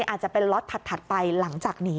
อาจจะเป็นล็อตถัดไปหลังจากหนี